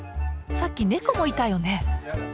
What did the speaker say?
さっき猫もいたよね。